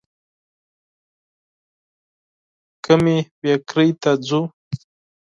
کومي بېکرۍ ته ځو ؟